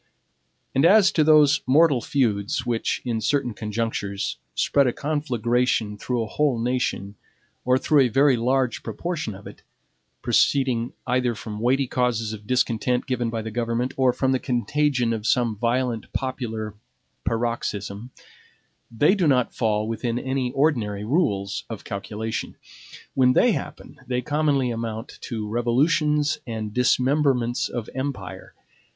And as to those mortal feuds which, in certain conjunctures, spread a conflagration through a whole nation, or through a very large proportion of it, proceeding either from weighty causes of discontent given by the government or from the contagion of some violent popular paroxysm, they do not fall within any ordinary rules of calculation. When they happen, they commonly amount to revolutions and dismemberments of empire.